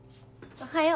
おはよう。